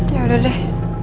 ya udah deh